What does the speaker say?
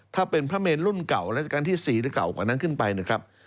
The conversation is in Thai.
ถ้าเป็นพระเมนรุ่นเก่าราชการที่๔หรือเก่ากว่านั้นขึ้นไปนะครับ